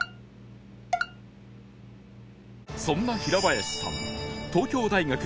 そんな平林さん